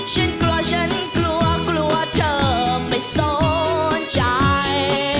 ฉันกลัวฉันกลัวกลัวเธอไม่สนใจ